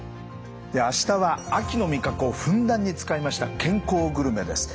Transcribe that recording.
明日は秋の味覚をふんだんに使いました健康グルメです。